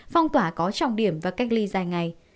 phong tỏa có trọng điểm và cách ly dài ngày